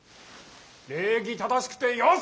礼儀正しくてよし！